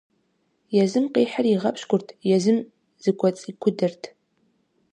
Езым къихьыр игъэпщкӀурт, езым зыкӀуэцӀикудэрт.